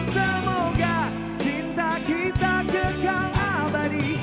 semoga cinta kita kekal abadi